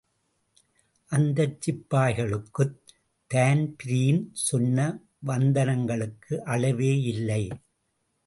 அந்தச் சிப்பாய்களுக்குத் தான்பிரீன் சொன்ன வந்தனங்களுக்கு அளவே யில்லை!